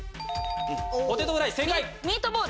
ポテトフライ正解。